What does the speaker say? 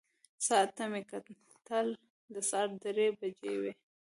ساعت ته مې وکتل، د سهار درې بجې وې.